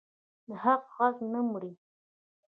د حق غږ نه مري